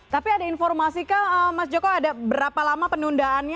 tapi ada informasi kah mas joko ada berapa lama penundaannya